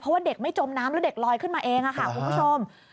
เพราะว่าเด็กไม่จมน้ำแล้วเด็กลอยขึ้นมาเองค่ะคุณผู้ชม